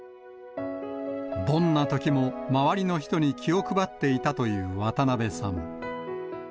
どんなときも周りの人に気を配っていたという渡辺さん。